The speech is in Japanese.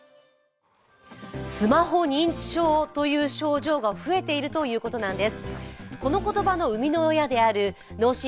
スマホ認知症という症状が増えているということです。